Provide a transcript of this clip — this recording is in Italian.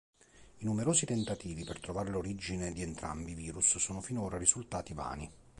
I numerosi tentativi per trovare l'origine di entrambi i virus sono finora risultati vani.